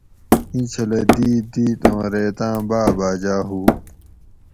اینچھلہ دِیت دِیت اوں ریتاۤں باۤ باۤجاۤ ہُو